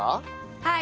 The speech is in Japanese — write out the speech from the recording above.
はい。